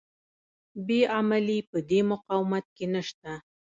بې عملي په دې مقاومت کې نشته.